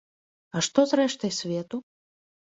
А што з рэштай свету?